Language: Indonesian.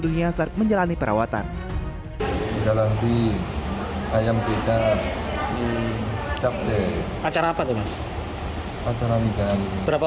dunia saat menjalani perawatan dalam di ayam kecap capte acara apa teman teman acara berapa